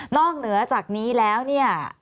อกเหนือจากนี้แล้วเนี่ย